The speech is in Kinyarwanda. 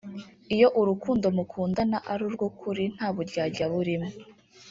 iyo urukundo mukundana ari urw’ukuri ntaburyarya burimo